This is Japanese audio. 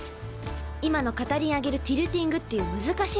今の片輪上げるティルティングっていう難しい技なの。